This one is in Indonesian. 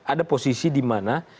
ada posisi dimana